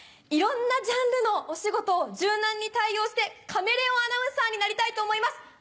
いろんなジャンルのお仕事を柔軟に対応してカメレオンアナウンサーになりたいと思います。